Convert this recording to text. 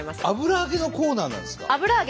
油揚げのコーナーです。